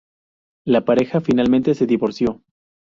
La pareja finalmente se divorció.